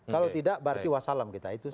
kalau tidak berarti wassalam kita itu